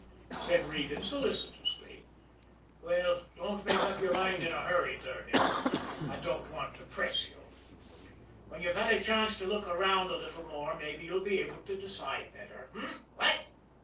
said Regan solicitously. "Well, don't make up your mind in a hurry, Durgan I don't want to press you. When you've had a chance to look around a little more, mabbe you'll be able to decide better what?